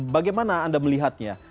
bagaimana anda melihatnya